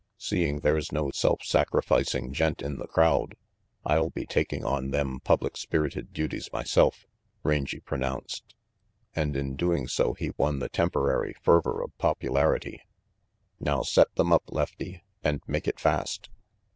"Seeing there's no self sacrificing gent in the crowd, I'll be taking on them public spirited duties myself," Rangy pronounced, and in doing so he 176 RANGY PETE won the temporary fervor of popularity. "Now set them up, Lefty, and make it fast."